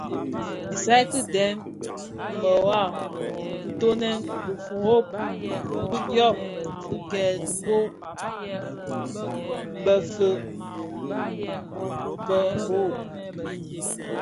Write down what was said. Isaï ki dèm, mëwa; kitoňèn, firob fidyom fi kè dhibo bëfœug befog mbiň,